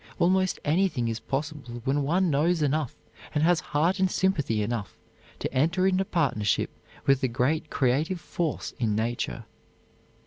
Almost anything is possible when one knows enough and has heart and sympathy enough to enter into partnership with the great creative force in nature.